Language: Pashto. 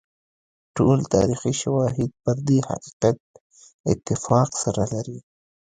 ټول تاریخي شواهد پر دې حقیقت اتفاق سره لري.